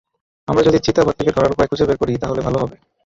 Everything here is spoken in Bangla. আমরা যদি চিতাবাঘটিকে ধরার উপায় খুঁজে বের করি তাহলে ভালো হবে।